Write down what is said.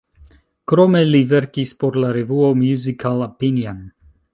Krome li verkis por la revuo "Musical Opinion".